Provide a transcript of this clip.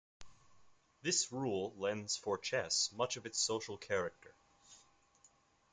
This rule lends Forchess much of its social character.